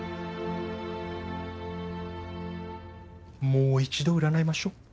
もう一度占いましょう。